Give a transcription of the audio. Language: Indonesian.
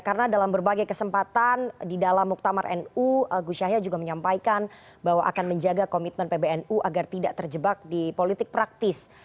karena dalam berbagai kesempatan di dalam mutamar nu gus syahya juga menyampaikan bahwa akan menjaga komitmen pbnu agar tidak terjebak di politik praktis